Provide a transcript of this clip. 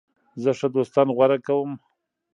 زه ښه دوستان غوره کوم.